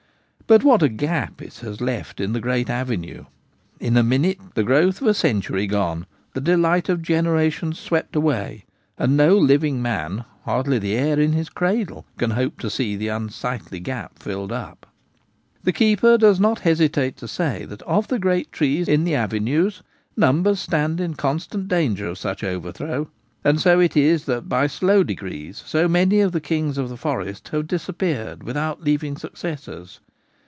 But what a gap it has left in the great avenue ! In a minute the growth of a century gone, the delight of generations swept away, and no living man, hardly 58 The Gamekeeper at Home. the heir in his cradle, can hope to see that unsightly gap filled up. The keeper does not hesitate to say that of the great trees in the avenues numbers stand in constant danger of such overthrow ; and so it is that by slow degrees so many of the kings of the forest have disappeared without leaving successors.